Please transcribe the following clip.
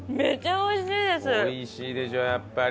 美味しいでしょやっぱり。